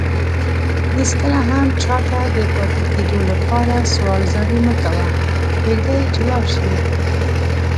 هيڅ کله هم چاته دپاتي کيدو لپاره سوال زاری مکوه پريږده چي لاړشي